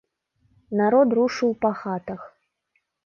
Народ рушыў па хатах.